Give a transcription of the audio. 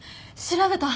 調べた？